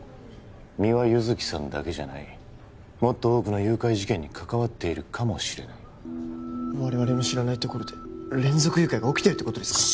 三輪優月さんだけじゃないもっと多くの誘拐事件に関わっているかもしれない我々の知らないところで連続誘拐が起きてるってことですか？